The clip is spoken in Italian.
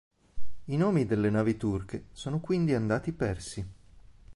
I nomi delle navi turche sono quindi andati persi.